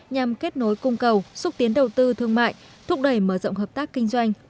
nhằm kết nối cung cầu xúc tiến đầu tư thương mại thúc đẩy mở rộng hợp tác kinh doanh